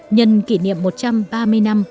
nhân kỷ niệm một trăm ba mươi năm